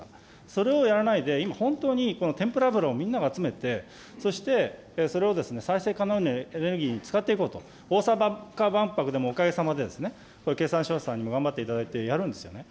それをやらないで、本当にこの天ぷら油をみんなが集めて、そして、それを再生可能エネルギーに使っていこうと、大阪万博でもおかげさまでこれ、経産省さんに頑張っていただいて、やるんですよね。